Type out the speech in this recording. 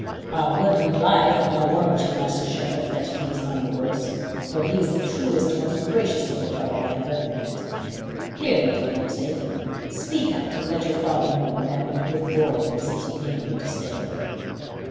"Our woodland life; and I warrant you, Master Sheriff, that he is none the worse, for he is the truest, most gracious little fellow I ever met. Here, Little Namesake, speak out, and let your father know you have been a good boy ever since you came here to stay."